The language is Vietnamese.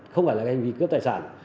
không phải là hành vi cướp tài sản